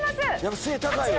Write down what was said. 背高いわ。